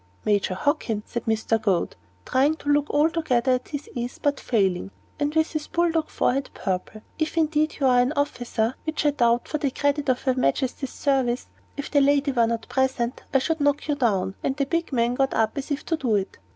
"Major Hockin," said Mr. Goad, trying to look altogether at his ease, but failing, and with his bull dog forehead purple, "if indeed you are an officer which I doubt for the credit of her Majesty's service if the lady were not present, I should knock you down." And the big man got up as if to do it.